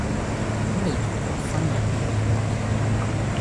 噉你做咗新人類未？